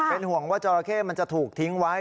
เป็นห่วงว่าจราเข้มันจะถูกทิ้งไว้